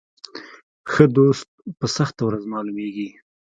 ښه دوست په سخته ورځ معلومیږي.